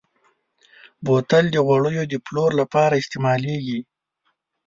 بوتل د غوړیو د پلور لپاره استعمالېږي.